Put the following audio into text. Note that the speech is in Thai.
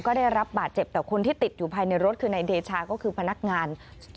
ก็ได้รับบาดเจ็บแต่คนที่ติดอยู่ภายในรถคือนายเดชาก็คือพนักงาน